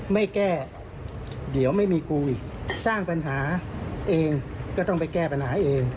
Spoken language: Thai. ไม่แก้เดี๋ยวไม่มีกูอีกสร้างปัญหาเองก็ต้องไปแก้ปัญหาให้เอง